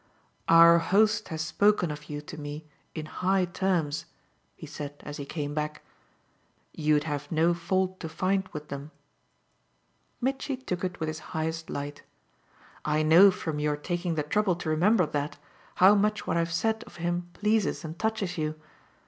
"Our host has spoken of you to me in high terms," he said as he came back. "You'd have no fault to find with them." Mitchy took it with his highest light. "I know from your taking the trouble to remember that, how much what I've said of him pleases and touches you.